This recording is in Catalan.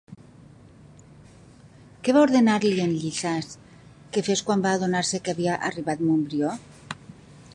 Què va ordenar-li en Llisàs que fes quan va adonar-se que havia arribat Montbrió?